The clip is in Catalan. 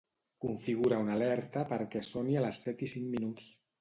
Configura una alerta perquè soni a les set i cinc minuts.